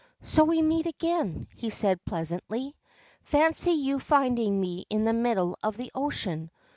' So we meet again,' he said pleasantly. ' Fancy you finding me in the middle of the ocean